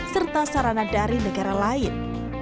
serta sarana dari negara lain